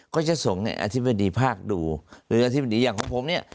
ก็จะส่งให้อธิบดีภาคดูหรืออธิบดีอย่างของผมเนี่ย